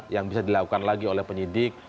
yang bisa dilakukan lagi oleh penyidik